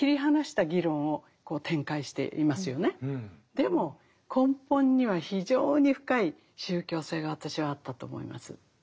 でも根本には非常に深い宗教性が私はあったと思います。